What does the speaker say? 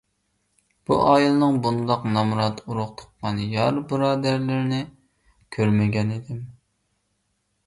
بۇ ئائىلىنىڭ بۇنداق نامرات ئۇرۇق - تۇغقان، يار - بۇرادەرلىرىنى كۆرمىگەنىدىم.